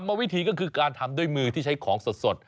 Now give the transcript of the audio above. วิธีก็คือการทำด้วยมือที่ใช้ของสด